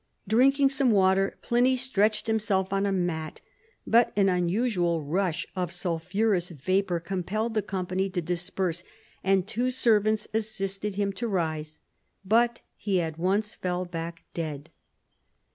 Drinking some water, Pliny stretched himself on a mat; but an unusual rush of sulphurous vapor compelled the company to disperse, and two servants assisted him to rise, but he at once fell back dead.